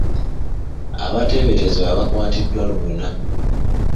Abateeberezebwa baakwatiddwa lubona.